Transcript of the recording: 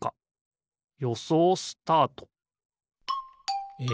よそうスタート！え